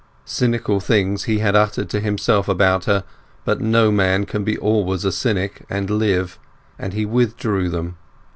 Cynical things he had uttered to himself about her; but no man can be always a cynic and live; and he withdrew them.